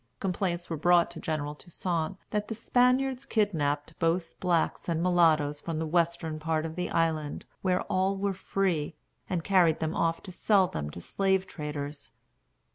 Complaints were brought to General Toussaint that the Spaniards kidnapped both blacks and mulattoes from the western part of the island, where all were free, and carried them off to sell them to slave traders.